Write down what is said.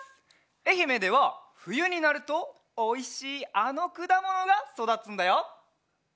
えひめではふゆになるとおいしいあのくだものがそだつんだよ。